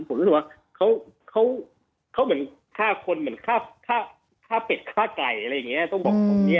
ผมรู้สึกว่าเขาเหมือนฆ่าคนเหมือนฆ่าเป็ดฆ่าไก่อะไรอย่างนี้